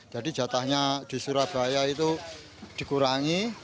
jadi jatahnya di surabaya itu dikurangi